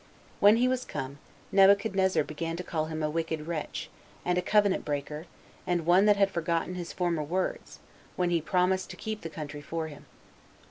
When he was come, Nebuchadnezzar began to call him a wicked wretch, and a covenant breaker, and one that had forgotten his former words, when he promised to keep the country for him.